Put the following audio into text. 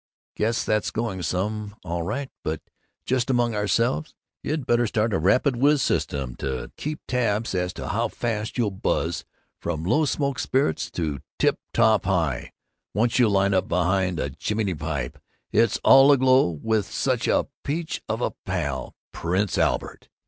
Guess that's going some, all right BUT just among ourselves, you better start a rapidwhiz system to keep tabs as to how fast you'll buzz from low smoke spirits to tip top high once you line up behind a jimmy pipe that's all aglow with that peach of a pal, Prince Albert.